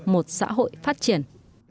một xã hội phát triển